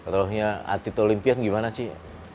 rohnya atlet olimpian gimana sih